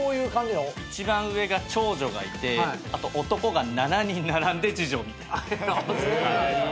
一番上が長女がいてあと男が７人並んで次女みたいな。